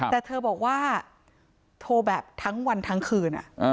แต่เธอบอกว่าโทรแบบทั้งวันทั้งคืน